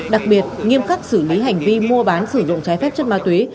đặc biệt nghiêm khắc xử lý hành vi mua bán sử dụng trái phép chất ma túy